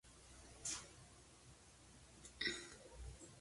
Se ganó así el apodo de ""Horse Marines"", infantería de marina a caballo.